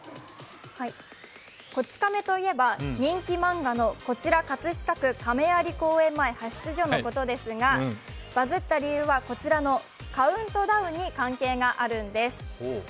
「こち亀」といえば人気漫画の「こちら葛飾区亀有公園前派出所」のことですが、バズった理由は、こちらのカウントダウンに関係があるんです。